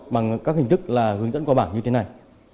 bằng các hình thức là hướng dẫn qua bảng như thế này